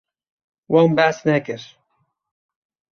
Wan behs nekir.